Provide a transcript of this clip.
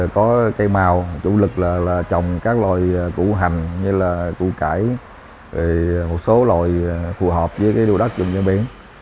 có cây màu chủ lực là trồng các loại củ hành như là củ cải một số loại phù hợp với đồ đất dùng trên biển